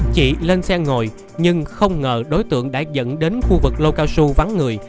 chị lên xe ngồi nhưng không ngờ đối tượng đã dẫn đến khu vực lô cao su vắng người